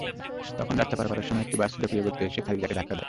তখন রাস্তা পারাপারের সময় একটি বাস বেপরোয়া গতিতে এসে খাদিজাকে ধাক্কা দেয়।